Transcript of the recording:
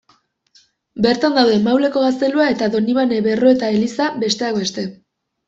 Bertan daude Mauleko gaztelua eta Donibane Berroeta eliza, besteak beste.